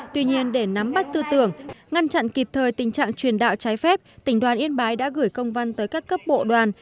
tuy nhiên để nắm bắt tư tưởng ngăn chặn kịp thời tình trạng truyền đạo trái phép tỉnh đoàn yên bái đã gửi công văn tới các cấp bộ đoàn